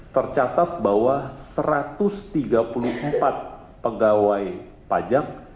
tercatat bahwa satu ratus tiga puluh empat pegawai pajak